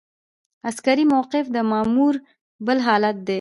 عسکري موقف د مامور بل حالت دی.